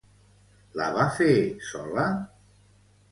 La va fer sola?